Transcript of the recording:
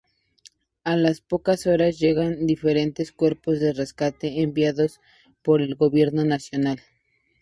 A las pocas horas, llegaron diferentes cuerpos de rescate enviados por el Gobierno nacional.